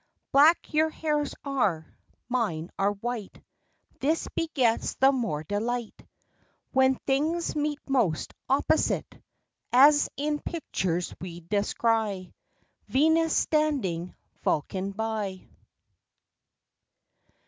Black your hairs are; mine are white; This begets the more delight, When things meet most opposite; As in pictures we descry Venus standing Vulcan by.